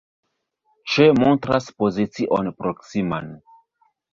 Ĉe montras pozicion proksiman.